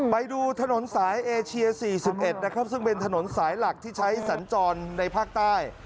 ไปดูถนนสายเอเชีย๔๑นะครับซึ่งเป็นถนนสายหลักที่ใช้สัญจรในภาคใต้